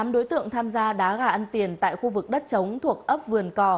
một mươi tám đối tượng tham gia đá gà ăn tiền tại khu vực đất trống thuộc ấp vườn cò